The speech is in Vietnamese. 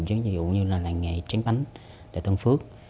giống như là làng nghề tráng bánh đại tân phước